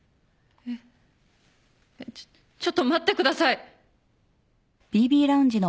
えっちょっちょっと待ってください。